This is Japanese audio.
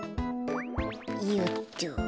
よっと。